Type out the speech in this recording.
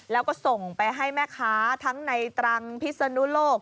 แล้วก็ส่งไปให้แม่ค้าทั้งในตรังพิศนุโลก